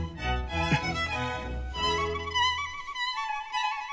うん。